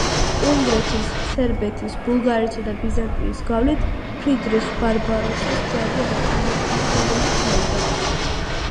უნგრეთის, სერბეთის, ბულგარეთისა და ბიზანტიის გავლით ფრიდრიხ ბარბაროსას ჯარი ანატოლიაში ჩავიდა.